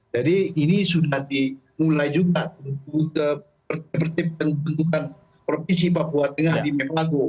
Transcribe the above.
jadi ini sudah dimulai juga untuk pertempuran pembentukan provinsi papua tengah di mepago